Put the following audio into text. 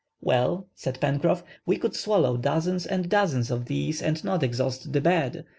"Well," said Pencroff, "we could swallow dozens and dozens of these and not exhaust the bed.